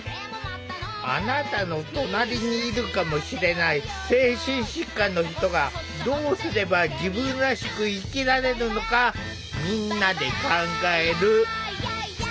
あなたの隣にいるかもしれない精神疾患の人がどうすれば自分らしく生きられるのかみんなで考える。